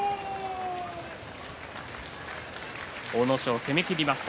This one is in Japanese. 阿武咲が攻めきりました。